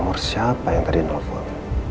nomor siapa yang tadi novel